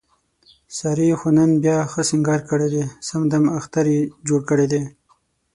سارې خو نن بیا ښه سینګار کړی، سم دمم اختر یې جوړ کړی دی.